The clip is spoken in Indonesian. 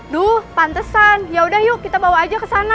duh pantesan yaudah yuk kita bawa aja kesana